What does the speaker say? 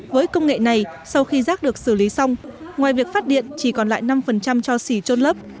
với công nghệ này sau khi rác được xử lý xong ngoài việc phát điện chỉ còn lại năm cho xỉ trôn lấp